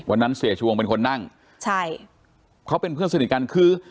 วันนั้นเสียชวงเป็นคนนั่งใช่เขาเป็นเพื่อนสนิทกันคือ